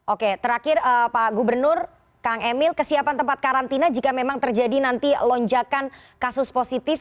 oke terakhir pak gubernur kang emil kesiapan tempat karantina jika memang terjadi nanti lonjakan kasus positif